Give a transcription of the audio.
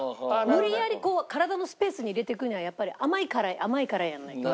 無理やりこう体のスペースに入れていくにはやっぱり甘い辛い甘い辛いやらないと。